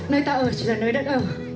nơi ta ở chỉ là nơi đất ở